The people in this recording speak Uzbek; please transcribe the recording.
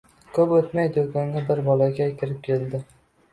Koʻp oʻtmay doʻkonga bir bolakay kirib keldi